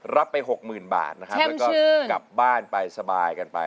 รับไป๖๐๐๐บาทนะครับแล้วก็กลับบ้านไปสบายกันไป